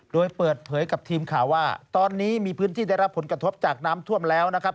โดยเปิดเผยกับทีมข่าวว่าตอนนี้มีพื้นที่ได้รับผลกระทบจากน้ำท่วมแล้วนะครับ